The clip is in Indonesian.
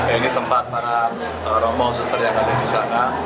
ini tempat para romo suster yang ada di sana